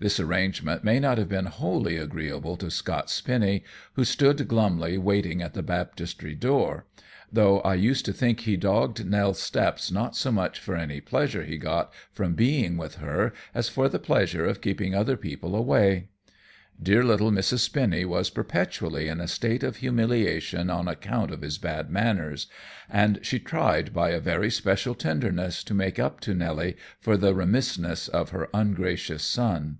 This arrangement may not have been wholly agreeable to Scott Spinny, who stood glumly waiting at the baptistry door; though I used to think he dogged Nell's steps not so much for any pleasure he got from being with her as for the pleasure of keeping other people away. Dear little Mrs. Spinny was perpetually in a state of humiliation on account of his bad manners, and she tried by a very special tenderness to make up to Nelly for the remissness of her ungracious son.